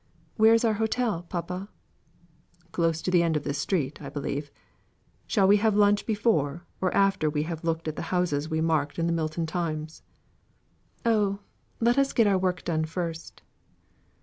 "Where is our hotel, papa?" "Close to the end of this street, I believe. Shall we have lunch before or after we have looked at the houses we marked in the Milton Times?" "Oh, let us get our work done first."